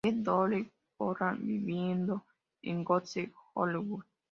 E. Doyle en Portland, viviendo en Goose Hollow.